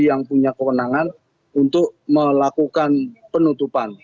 yang punya kewenangan untuk melakukan penutupan